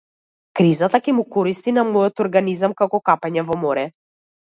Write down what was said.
Кризата ќе му користи на мојот организам како капење во море.